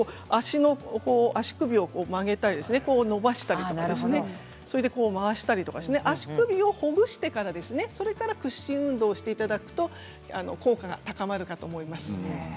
足首を曲げたり、伸ばしたり回したりしながら足首をほぐしてから屈伸運動をしていただくと効果が高まると思います。